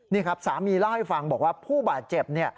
นี่ครับสามีเล่าให้ฟังบอกว่าผู้บาดเจ็บ